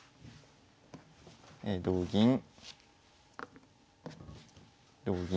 同銀同銀。